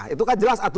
itu kan jelas aturan